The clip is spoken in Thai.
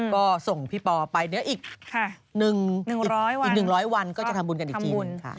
ก็ส่งพี่ปอไปเดี๋ยวอีก๑๐๐วันก็จะทำบุญกันอีกที